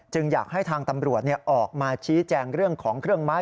อยากให้ทางตำรวจออกมาชี้แจงเรื่องของเครื่องไม้